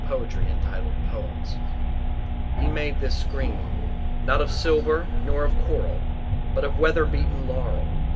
POEMS BY MARIANNE MOORE HE MADE THIS SCREEN not of silver nor of coral, but of weatherbeaten laurel.